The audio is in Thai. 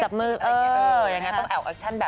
จับมือเอออย่างนั้นต้องแอบอัคชั่นแบบนั้น